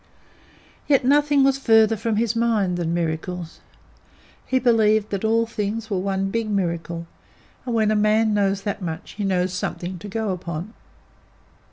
Yet nothing was farther from his mind than miracles. He believed that all things were one big Miracle, and when a man knows that much he knows something to go upon.